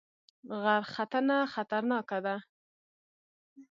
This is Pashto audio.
غرختنه خطرناکه ده؟